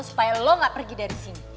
supaya lo gak pergi dari sini